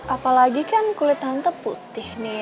apalagi kan kulit hanta putih nih